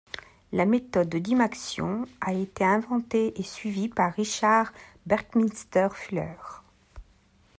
La méthode Dymaxion a été inventée et suivie par Richard Buckminster Fuller.